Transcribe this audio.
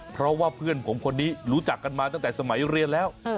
เพราะว่าเพื่อนผมคนนี้รู้จักกันมาตั้งแต่สมัยเรียนแล้ว